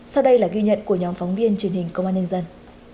sau đây là ghi nhận của nhóm phóng viên truyền hình công an nhân dân